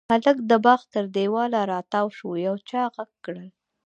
هلک د باغ تر دېواله را تاو شو، يو چا غږ کړل: